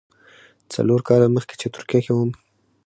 څلور کاله مخکې چې ترکیه کې وم.